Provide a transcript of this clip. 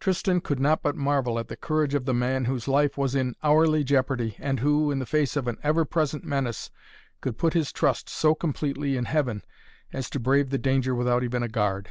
Tristan could not but marvel at the courage of the man whose life was in hourly jeopardy and who, in the face of an ever present menace could put his trust so completely in Heaven as to brave the danger without even a guard.